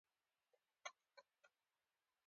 هغه ساده سړي یې په خبرو باور نه وای کړی.